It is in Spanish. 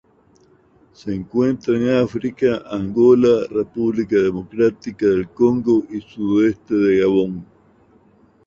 Se encuentran en África: Angola, República Democrática del Congo y sudoeste de Gabón.